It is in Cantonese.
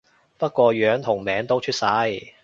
不過樣同名都出晒